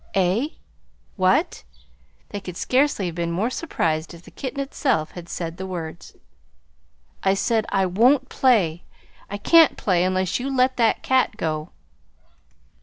"Eh? What?" They could scarcely have been more surprised if the kitten itself had said the words. "I say I won't play I can't play unless you let that cat go."